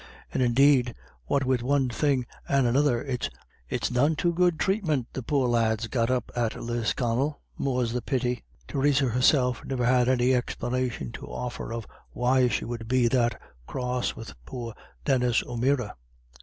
And indeed, what wid one thing and another, it's none too good thratement the poor lad's got up at Lisconnel, more's the pity." Theresa herself never had any explanation to offer of "why she would be that cross wid poor Denis O'Meara."